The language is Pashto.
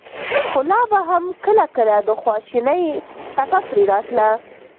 خو لا به هم کله کله د خواشينۍڅپه پرې راتله.